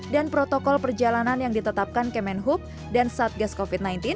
dan protokol perjalanan yang ditetapkan kemenhub dan satgas covid sembilan belas